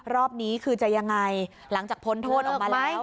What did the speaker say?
รอบนี้คือจะยังไงหลังจากพ้นโทษออกมาแล้ว